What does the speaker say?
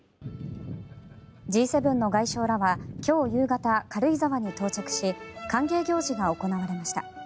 Ｇ７の外相らは今日夕方軽井沢に到着し歓迎行事が行われました。